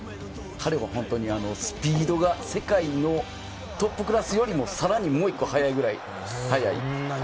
彼は本当にスピードが世界のトップクラスよりももう１個速いくらい速い。